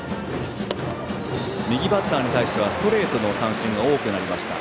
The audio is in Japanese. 右バッターに対してはストレートの三振が多くなりました。